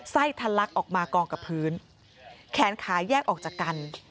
ทะลักออกมากองกับพื้นแขนขาแยกออกจากกัน